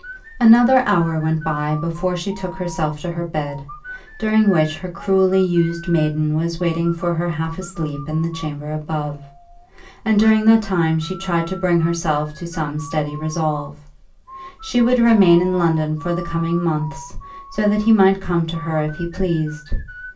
Another hour went by before she took herself to her bed, during which her cruelly used maiden was waiting for her half asleep in the chamber above; and during that time she tried to bring herself to some steady resolve. She would remain in London for the coming months, so that he might come to her if he pleased.